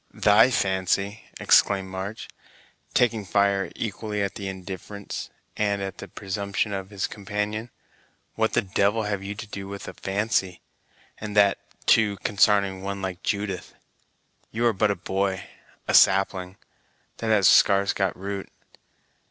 "Thy fancy!" exclaimed March, taking fire equally at the indifference and at the presumption of his companion, "what the devil have you to do with a fancy, and that, too, consarning one like Judith? You are but a boy a sapling, that has scarce got root.